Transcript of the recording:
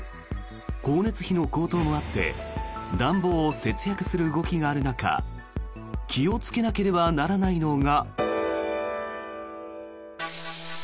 光熱費の高騰もあって暖房を節約する動きもある中気をつけなければならないのが。